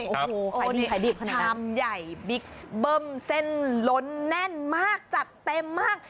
โอ้โหขายดีขายดีขนาดนี้นำใหญ่บิ๊กเบิ้มเส้นล้นแน่นมากจัดเต็มมาก